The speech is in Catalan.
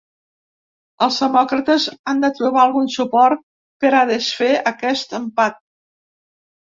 Els demòcrates han de trobar algun suport per a desfer aquest empat.